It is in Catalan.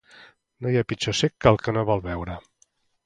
No hi ha pitjor cec que el que no vol veure.